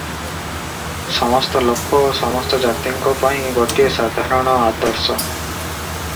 ସମସ୍ତ ଲୋକ ଓ ସମସ୍ତ ଜାତିଙ୍କ ପାଇଁ ଗୋଟିଏ ସାଧାରଣ ଆଦର୍ଶ ।